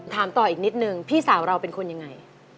ถามต่ออีกนิดนึงพี่สาวเราเป็นคนยังไง